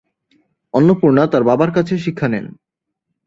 অন্নপূর্ণা তার বাবার কাছে শিক্ষা নেন।